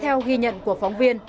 theo ghi nhận của phóng viên